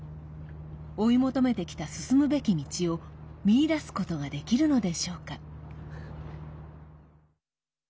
追い求めてきた進むべき道を見いだすことができるのでしょうか。